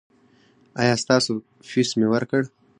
ایا ستاسو فیس مې ورکړ؟